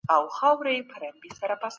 ځوانان بايد د تاريخ له پاڼو درس واخلي.